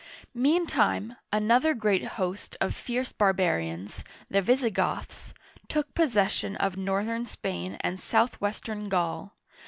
Meantime, another great host of fierce barbarians, the Vis'igoths, took possession of northern Spain and south western Gaul.